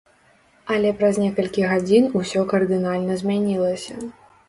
Але праз некалькі гадзін усё кардынальна змянілася.